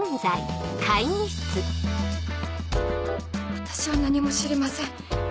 私は何も知りません。